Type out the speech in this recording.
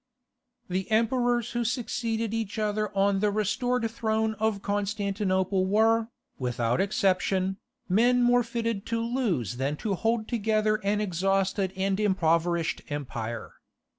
The emperors who succeeded each other on the restored throne of Constantinople were, without exception, men more fitted to lose than to hold together an exhausted and impoverished empire.